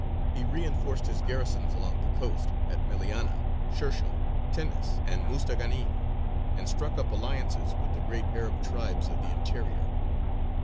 He reinforced his garrisons along the coast, at Meliana, Shershēl, Tinnis, and Mustaghānim, and struck up alliances with the great Arab tribes of the interior.